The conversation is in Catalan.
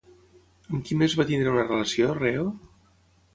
Amb qui més va tenir una relació Reo?